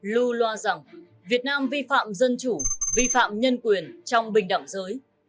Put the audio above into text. lưu loa rằng việt nam vi phạm dân chủ vi phạm nhân quyền trong bình đẳng giới